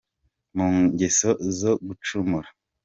Mu ngeso zo gucumura.